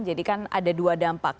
jadikan ada dua dampak